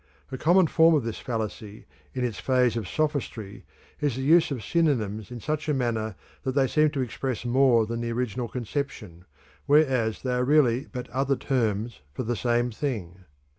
A common form of this fallacy in its phase of sophistry is the use of synonyms in such a manner that they seem to express more than the original conception, whereas they are really but other terms for the same thing.